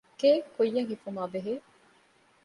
ގެއެއްކުއްޔަށް ހިފުމާބެހޭ